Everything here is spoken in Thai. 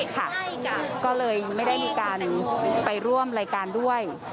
ก็เลยไม่ได้มีการไปร่วมรายการด้วย